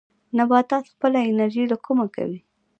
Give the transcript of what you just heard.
نباتات خپله انرژي له کومه کوي؟